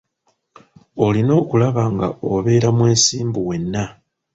Olina okulaba nga obeera mwesimbu wenna.